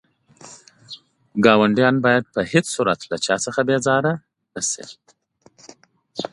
ګاونډيان بايد په هيڅ صورت له چا څخه بيزاره نه شئ.